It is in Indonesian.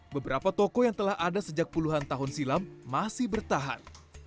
beberapa toko yang telah ada sejak puluhan tahun silam masih bertahan